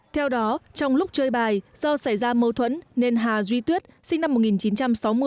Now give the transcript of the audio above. theo đó trong lúc chơi bài do xảy ra mâu thuẫn nên hà duy tuyết sinh năm một nghìn chín trăm sáu mươi